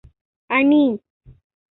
Аминь».